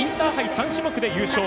３種目で優勝。